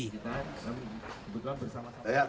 kita kebetulan bersama sama